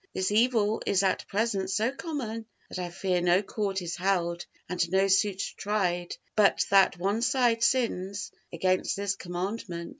This evil is at present so common that I fear no court is held and no suit tried but that one side sins against this Commandment.